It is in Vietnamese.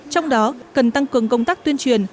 trong đó cần tăng cường công tác tuyên truyền